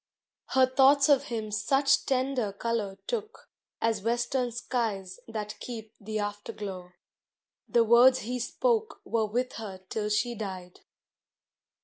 Her thoughts of him such tender color took As western skies that keep the afterglow. The words he spoke were with her till she died.